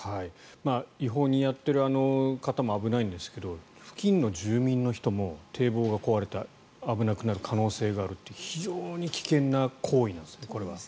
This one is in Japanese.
違法にやっているあの方も危ないんですけど付近の住民の人も、堤防が壊れて危なくなる可能性があるって非常に危険な行為なんですねこれは。